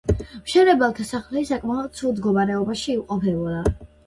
მშენებელთა სახლი საკმაოდ ცუდ მდგომარეობაში იმყოფებოდა.